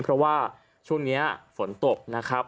เพราะว่าช่วงนี้ฝนตกนะครับ